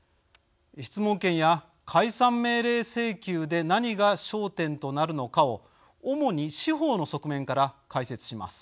質問権や解散命令請求で何が焦点となるのかを主に司法の側面から解説します。